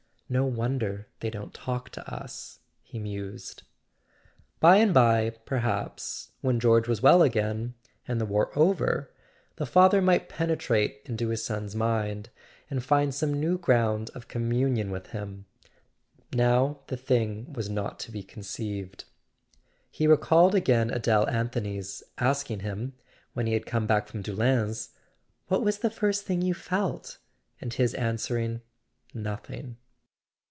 "No wonder they don't talk to us," he mused. By and bye, perhaps, when George was well again, and the war over, the father might penetrate into his son's mind, and find some new ground of communion with him: now the thing was not to be conceived. He recalled again Adele Anthony's asking him, when he had come back from Doullens: " What was the first thing you felt?" and his answering: "Nothing."